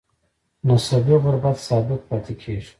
نسبي غربت ثابت پاتې کیږي.